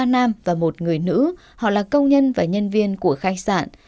ba nam và một người nữ họ là công nhân và nhân viên của khách sạn